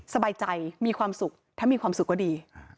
สบายใจมีความสุขถ้ามีความสุขก็ดี